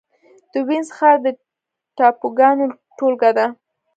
د وينز ښار د ټاپوګانو ټولګه ده.